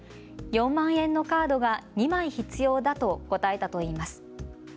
４万円のカードが２枚必要だと答えたといいます。